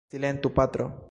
Silentu, patro!